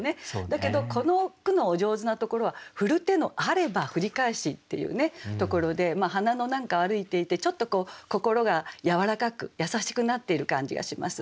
だけどこの句のお上手なところは「振る手のあれば振り返し」っていうところで花野なんかを歩いていてちょっと心がやわらかく優しくなっている感じがします。